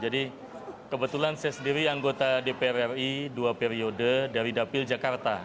jadi kebetulan saya sendiri anggota dpr ri dua periode dari dapil jakarta